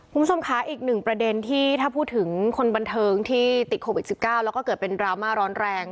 คุณผู้ชมคะอีกหนึ่งประเด็นที่ถ้าพูดถึงคนบันเทิงที่ติดโควิด๑๙แล้วก็เกิดเป็นดราม่าร้อนแรง